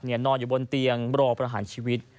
นอนอยู่บนเตียงรอประหารชีวิต